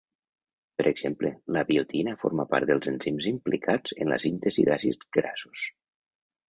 Per exemple, la biotina forma part dels enzims implicats en la síntesi d’àcids grassos.